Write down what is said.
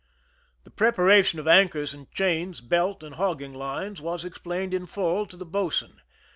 The prepg.ration of anchors and chains, belt and hogging lincjs, was explained in full to the boat swain.